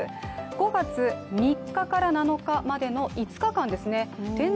５月３日から７日の５日間ですね。